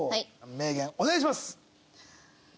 名言お願いします！